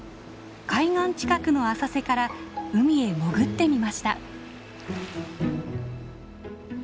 海岸近くの浅瀬から海へ潜ってみました。